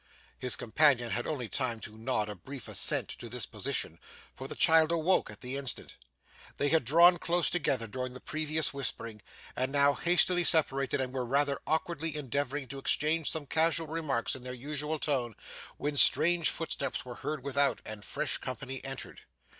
His companion had only time to nod a brief assent to this position, for the child awoke at the instant. They had drawn close together during the previous whispering, and now hastily separated and were rather awkwardly endeavouring to exchange some casual remarks in their usual tone, when strange footsteps were heard without, and fresh company entered.